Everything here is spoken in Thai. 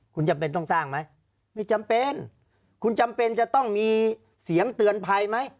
คุณจำเป็นต้องสร้างไหมไม่จำเป็นคุณจำเป็นจะต้องมีเสียงเตือนภัยไหม